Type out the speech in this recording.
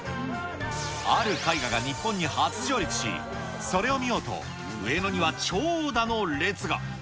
ある絵画が日本に初上陸し、それを見ようと、上野には長蛇の列が。